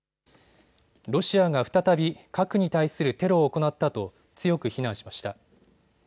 ロシアが再び核に対するテロを行ったと強く非難しました。